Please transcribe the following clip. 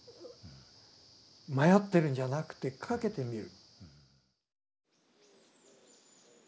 迷ってるんじゃなくて賭けてみる。